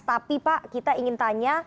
tapi pak kita ingin tanya